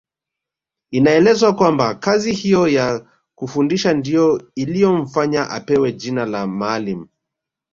Inaelezwa kwamba kazi hiyo ya kufundisha ndiyo iliyomfanya apewe jina la Maalim